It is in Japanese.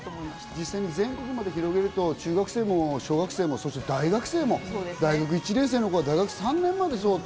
実際に全国まで広げると中学生も小学生もそして大学生も大学１年生の子は大学３年までそうだった。